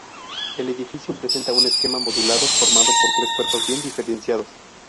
El edificio presenta un esquema modulado formado por tres cuerpos bien diferenciados.